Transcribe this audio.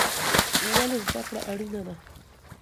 ولې زده کړه اړینه ده؟